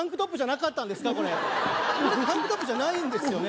これタンクトップじゃないんですよね？